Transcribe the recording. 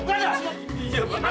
pokoknya gue gak mau tau